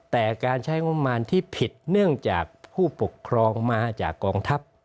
แต่การใช้งบมารที่ผิดเนื่องจากผู้ปกครองมาจากกองทัพ